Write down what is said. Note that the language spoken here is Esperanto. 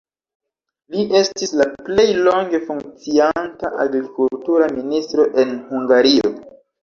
Li estis la plej longe funkcianta agrikultura ministro en Hungario.